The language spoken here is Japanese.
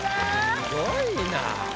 すごいな。